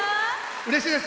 うれしいです。